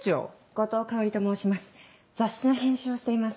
後藤かおりと申します